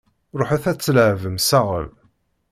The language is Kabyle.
Ruḥet ad tleɛbem saɣel!